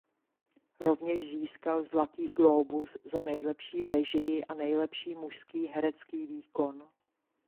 Rovněž získal Zlatý glóbus za nejlepší režii a nejlepší mužský herecký výkon.